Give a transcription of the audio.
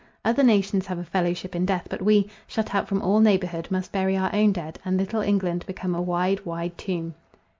Other nations have a fellowship in death; but we, shut out from all neighbourhood, must bury our own dead, and little England become a wide, wide tomb.